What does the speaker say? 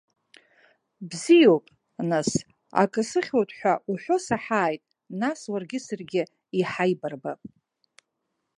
Бзиоуп, нас, акы сыхьуеит ҳәа уҳәо саҳааит нас уаргьы саргьы иҳаибарбап.